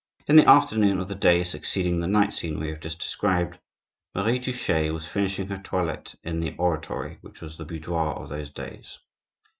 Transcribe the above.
In the afternoon of the day succeeding the night scene we have just described, Marie Touchet was finishing her toilet in the oratory, which was the boudoir of those days.